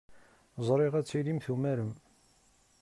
Ẓriɣ ad tilim tumarem.